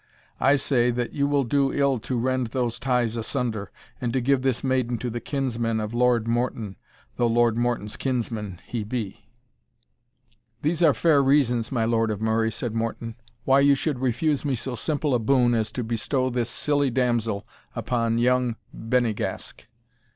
I say, that you will do ill to rend those ties asunder, and to give this maiden to the kinsman of Lord Morton, though Lord Morton's kinsman he be." "These are fair reasons, my Lord of Murray," said Morton, "why you should refuse me so simple a boon as to bestow this silly damsel upon young Bennygask.